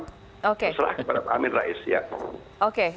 terserah kepada pak amin rais ya